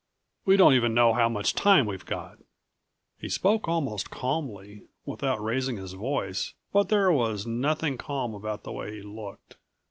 We don't even know how much time we've got!" He spoke almost calmly, without raising his voice, but there was nothing calm about the way he looked.